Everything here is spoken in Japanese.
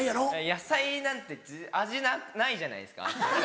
野菜なんて味ないじゃないですか。